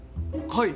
はい。